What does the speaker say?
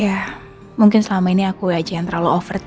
ya mungkin selama ini aku aja yang terlalu overt